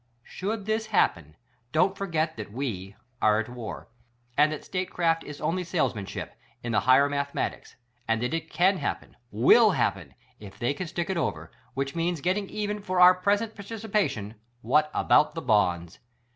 Should this happen, don't forget that we are at WAR — and that statecraft is only salesmanship — in the higher mathematics — and that it can happen, will happen — if they can stick it over — ^which means getting even for our present participation — what about the BONDS?